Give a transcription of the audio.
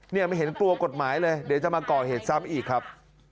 ไม่เห็นกลัวกฎหมายเลยเดี๋ยวจะมาก่อเหตุซ้ำอีกครับ